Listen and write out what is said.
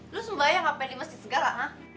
lu sembahyang gak pilih mesin segala ha